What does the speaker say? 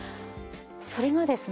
それがですね